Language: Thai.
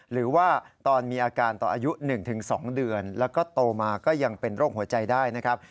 หรือว่าตอนมีอาการต่ออายุ๑๒เดือนแล้วก็โตมาก็ยังเป็นโรคหัวใจได้นะครับ